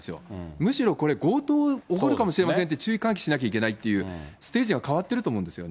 むしろこれ、強盗起こるかもしれませんって注意喚起しなきゃいけないという、ステージが変わってると思うんですよね。